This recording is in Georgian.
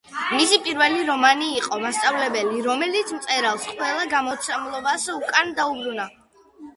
მისი პირველი რომანი იყო „მასწავლებელი“ რომელიც მწერალს ყველა გამომცემლობამ უკანვე დაუბრუნა.